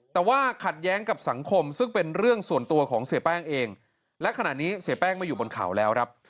แต่ว่าขัดแย้งกับสังคมซึ่งเป็นเรื่องส่วนตัวของเสียแป้งเองและขณะนี้เสียแป้งมาอยู่บนเขาแล้วครับ